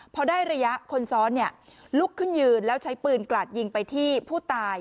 พอได้ระยะคนซ้อนลุกขึ้นยืนแล้วใช้ปืนกลาดยิงไปที่ผู้ตาย